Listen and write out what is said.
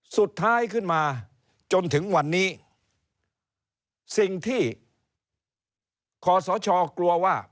สุดท้ายขึ้นมาจนถึงวันนี้สิ่งที่ขอสชกลัวว่า